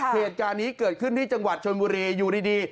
เหตุการณ์นี้เกิดขึ้นที่จังหวัดชนบุรีอยู่ดี